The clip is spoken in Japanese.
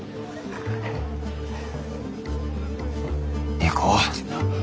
行こう。